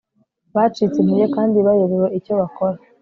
bacitse intege kandi bayobewe icyo bakora